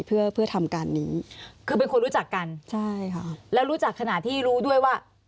เพื่อเพื่อทำการนี้คือเป็นคนรู้จักกันใช่ค่ะแล้วรู้จักขณะที่รู้ด้วยว่า